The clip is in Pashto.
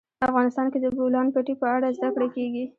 افغانستان کې د د بولان پټي په اړه زده کړه کېږي.